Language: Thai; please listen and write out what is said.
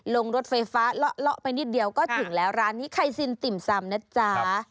ลงรถไฟฟ้าเลาะไปนิดเดียวก็ถึงแล้วร้านนี้ใครซินติ่มซำนะจ๊ะ